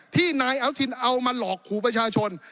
ที่นายอนุทินเอามาหลอกขู่ประชาชน